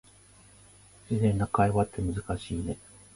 自然な会話って難しいね